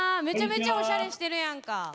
めちゃめちゃおしゃれしてるやんか。